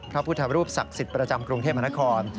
พระพุทธรูปศักดิ์สิทธิ์ประจำกรุงเทพมหานคร